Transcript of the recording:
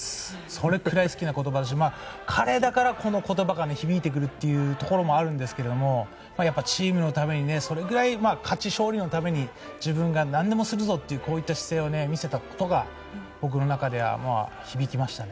それくらい好きな言葉だし彼だからこの言葉が響いてくるってところもあるんですけどやっぱりチームのために勝利のために自分は何でもするぞというこういった姿勢を見せたことが僕の中では響きましたね。